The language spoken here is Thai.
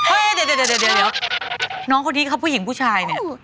เฮ้ยน้องเขาดีผู้หญิงผู้ชาย